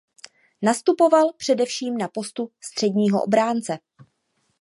Nastupoval především na postu středního obránce.